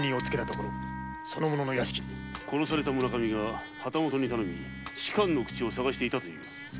村上は旗本に頼み仕官の口を探していたという。